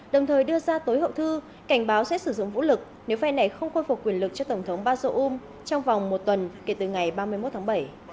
đồng thời đưa ra tối hậu thư cảnh báo sẽ sử dụng vũ lực nếu phe này không khôi phục quyền lực cho tổng thống bazoum trong vòng một tuần kể từ ngày ba mươi một tháng bảy